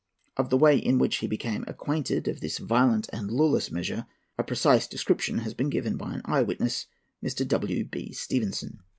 Of the way in which he became acquainted of this violent and lawless measure, a precise description has been given by an eye witness, Mr. W.B. Stevenson.